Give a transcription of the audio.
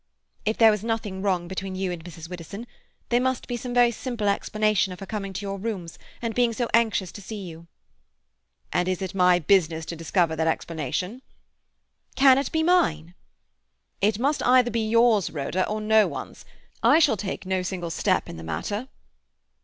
"If there was nothing wrong between you and Mrs. Widdowson, there must be some very simple explanation of her coming to your rooms and being so anxious to see you." "And is it my business to discover that explanation?" "Can it be mine?" "It must either be yours, Rhoda, or no one's. I shall take no single step in the matter."